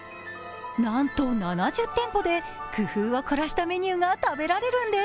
なんと７０店舗で工夫を凝らしたメニューが食べられるんです。